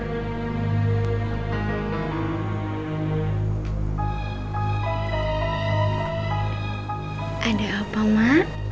mak kepingin kamu nikah recepetnya dengan bagia